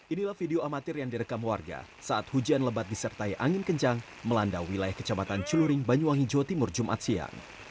inilah video amatir yang direkam warga saat hujan lebat disertai angin kencang melanda wilayah kecamatan celuring banyuwangi jawa timur jumat siang